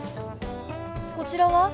こちらは？